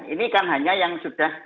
ini kan hanya yang sudah